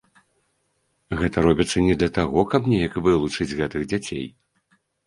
Гэта робіцца не для таго, каб неяк вылучыць гэтых дзяцей.